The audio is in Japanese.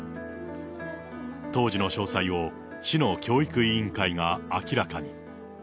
当時の詳細を市の教育委員会が明らかに。